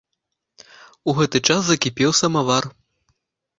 У гэты час закіпеў самавар.